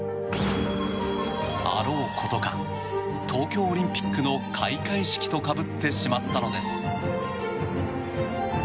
あろうことか東京オリンピックの開会式とかぶってしまったのです。